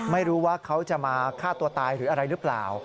ไม่รู้ว่าเขาจะมาฆ่าตัวตายหรืออะไรหรือเปล่า